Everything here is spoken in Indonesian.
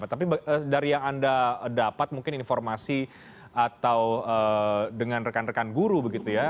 tapi dari yang anda dapat mungkin informasi atau dengan rekan rekan guru begitu ya